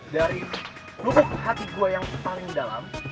dari lubuk hati gue yang paling dalam